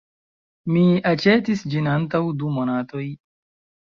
Mi aĉetis ĝin antaŭ du monatoj.